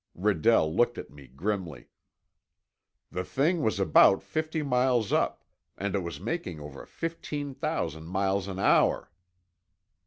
Redell looked at me grimly. "The thing was about fifty miles up. And it was making over fifteen thousand miles an hour!"